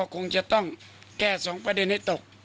พระก็คงจะต้องแก้สองประเด็นให้ตก